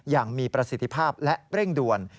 อย่างมีประสิทธิภาพและเร่งด่วน